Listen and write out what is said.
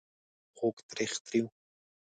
خوږ .. تریخ ... تریو ...